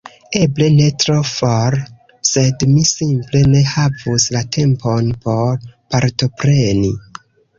Eble ne tro for, sed mi simple ne havus la tempon por partopreni.